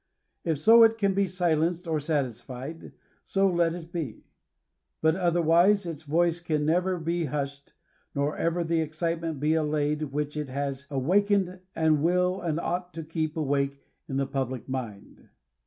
If so it can ^e silenced or satisfied, so let it be ; but otherwise its voice can never be hushed, nor ever the excitement be allayed which it has awakened and will and ought to keep awake in the public mind.